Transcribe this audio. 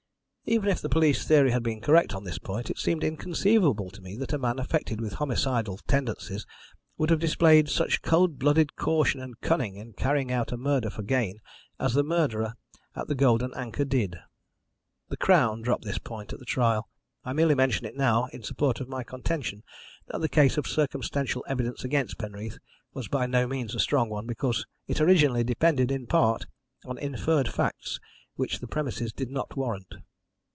"Even if the police theory had been correct on this point, it seemed inconceivable to me that a man affected with homicidal tendencies would have displayed such cold blooded caution and cunning in carrying out a murder for gain, as the murderer at the Golden Anchor did. The Crown dropped this point at the trial. I merely mention it now in support of my contention that the case of circumstantial evidence against Penreath was by no means a strong one, because it originally depended, in part, on inferred facts which the premises did not warrant.